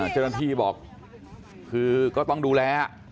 เจ้าหน้าที่บอกคือก็ต้องดูแล